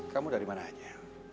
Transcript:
kamu dari mana aja